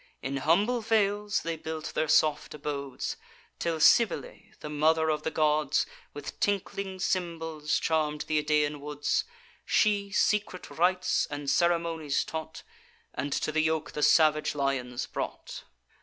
In humble vales they built their soft abodes, Till Cybele, the mother of the gods, With tinkling cymbals charm'd th' Idaean woods, She secret rites and ceremonies taught, And to the yoke the savage lions brought.